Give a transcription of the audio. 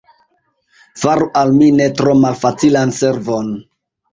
Faru al mi ne tro malfacilan servon!